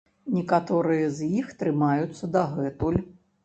Некаторыя з іх трымаюцца дагэтуль.